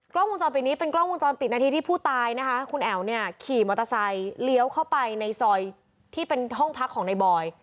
กล้องวงจรปิดนี้เป็นกล้องวงจรปิดนาทีที่ผู้ตายนะคะคุณแอ๋วเนี่ยขี่มอเตอร์ไซค์เลี้ยวเข้าไปในซอยที่เป็นห้องพักของในบอย